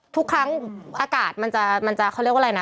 ทุกครั้งอากาศมันจะเขาเรียกว่าอะไรนะ